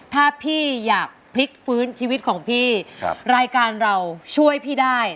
ถ้าพี่อยากพลิกฟื้นชีวิตของพี่รายการเราช่วยพี่ได้